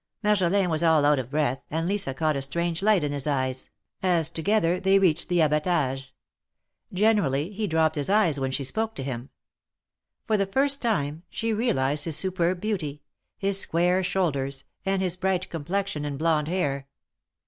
'' Marjolin was all out of breath, and Lisa caught a strange light in his eyes, as together they reached the Abatage, Generally he dropped his eyes when she spoke to him. For the first , time she realized his superb beauty, his square shoulders, and his bright complexion and blonde hair.